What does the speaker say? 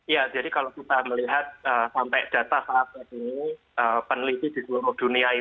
ya jadi kalau kita melihat sampai data saat ini peneliti di seluruh dunia ini